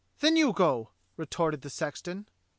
"Then you go," retorted the sexton.